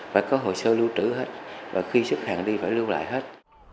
phải có hồ sơ lưu trữ hết và khi xếp hàng đi phải lưu lại hết